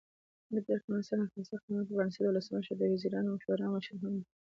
د ترکمنستان اساسي قانون پر بنسټ ولسمشر د وزیرانو شورا مشر هم دی.